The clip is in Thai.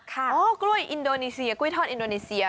กล้วยอินโดนีเซียกล้วยทอดอินโดนีเซีย